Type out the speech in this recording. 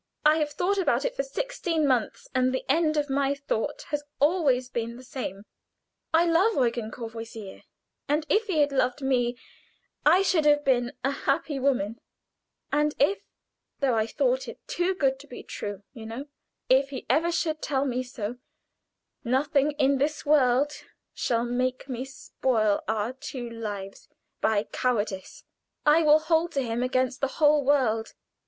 "I have thought about it for sixteen months, and the end of my thought has always been the same: I love Eugen Courvoisier, and if he had loved me I should have been a happy woman, and if though I thought it too good to be true, you know if he ever should tell me so, nothing in this world shall make me spoil our two lives by cowardice; I will hold to him against the whole world."